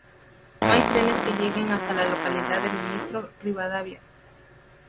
No hay trenes que lleguen hasta la localidad de Ministro Rivadavia.